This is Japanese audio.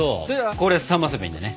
これ冷ませばいいんだね。